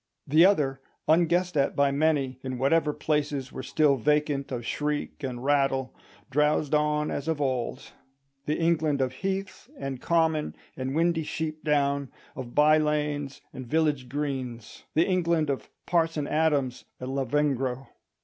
The other, unguessed at by many, in whatever places were still vacant of shriek and rattle, drowsed on as of old: the England of heath and common and windy sheep down, of by lanes and village greens—the England of Parson Adams and Lavengro.